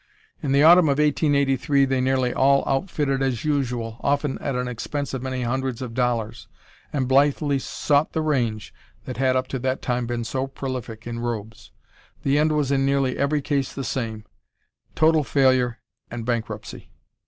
In the autumn of 1883 they nearly all outfitted as usual, often at an expense of many hundreds of dollars, and blithely sought "the range" that had up to that time been so prolific in robes. The end was in nearly every case the same total failure and bankruptcy.